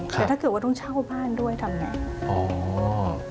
แต่ถ้าเกิดว่าต้องเช่าบ้านด้วยทำไง